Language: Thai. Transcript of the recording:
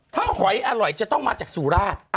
ถ้าหอยอร่อยจะต้องมาจากสุราช